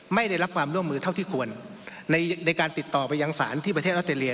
ไม่ได้รับความร่วมมือเท่าที่ควรในการติดต่อไปยังศาลที่ประเทศออสเตรเลี